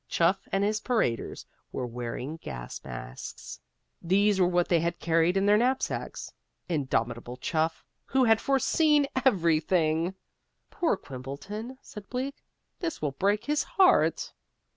Chuff and his paraders were wearing gas masks. These were what they had carried in their knapsacks. Indomitable Chuff, who had foreseen everything! "Poor Quimbleton," said Bleak. "This will break his heart!"